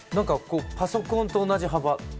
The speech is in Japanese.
パソコンと同じ幅。